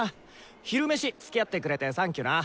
昼メシつきあってくれてサンキューな。